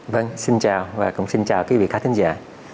vâng xin chào và cũng xin chào quý vị khách thính giả